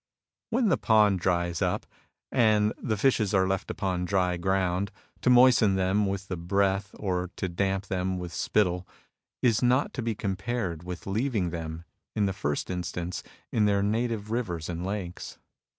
When the pond dries up, and the fishes are left INFERIORITY OF THE ARTIFICIAL 95 upon dry ground, to moisten them with the breath, or to damp them with spittle, is not to be compared with leaving them, in the first instance, in their native rivers and lakes.